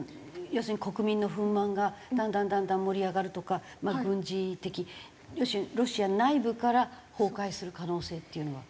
要するに国民の不満がだんだんだんだん盛り上がるとかまあ軍事的ロシア内部から崩壊する可能性っていうのは。